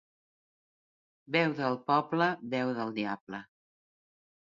Veu del poble, veu del diable.